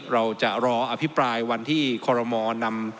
เราจะรออภิปรายวันที่คอรมอลนำ